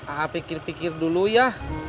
ah pikir pikir dulu ya